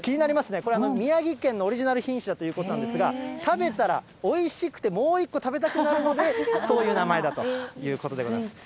これは宮城県のオリジナル品種だということなんですが、食べたらおいしくてもう一個食べたくなるので、そういう名前だということでございます。